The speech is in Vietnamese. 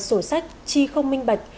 sổ sách chi không minh bạch